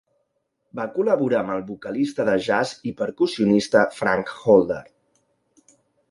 Va col·laborar amb el vocalista de jazz i percussionista Frank Holder.